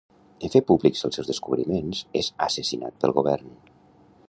En fer públics els seus descobriments, és assassinat pel govern.